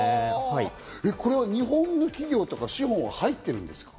これは日本の企業や、資本は入ってるんですか？